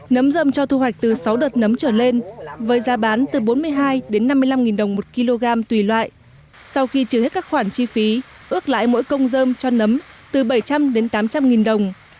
nấm dơm cho thu hoạch từ sáu đợt nấm trở lên với giá bán từ bốn mươi hai đến năm mươi năm đồng một kg tùy loại sau khi trừ hết các khoản chi phí ước lại mỗi công dơm cho nấm từ bảy trăm linh đến tám trăm linh nghìn đồng